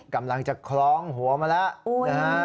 กำลังจะคล้องหัวมาแล้วนะฮะ